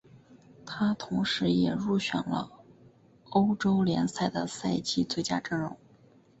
他同时也入选了欧洲联赛的赛季最佳阵容。